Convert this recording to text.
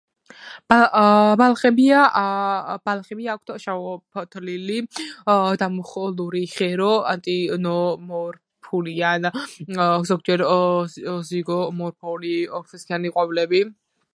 ბალახებია, აქვთ შეფოთლილი დამუხლული ღერო, აქტინომორფული ან ზოგჯერ ზიგომორფული ორსქესიანი ყვავილები.